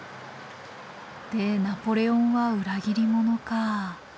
でナポレオンは裏切り者か。